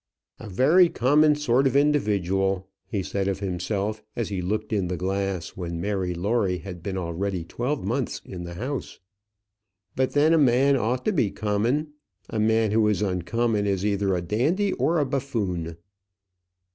"A very common sort of individual," he said of himself, as he looked in the glass when Mary Lawrie had been already twelve months in the house; "but then a man ought to be common. A man who is uncommon is either a dandy or a buffoon."